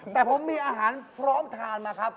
แต่ผมมีอาหารพร้อมทานมาครับ